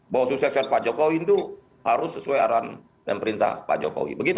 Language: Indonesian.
bahwa suksesnya pak jokowi itu harus sesuai arahan dan perintah pak jokowi